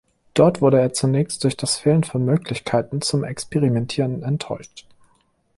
Dort wurde er zunächst durch das Fehlen von Möglichkeiten zum Experimentieren enttäuscht.